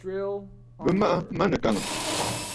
Bɨ maʼa manɨkàŋə̀.